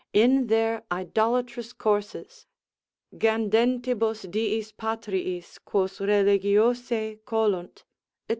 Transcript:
In their idolatrous courses, Gandentibus diis patriis, quos religiose colunt, &c.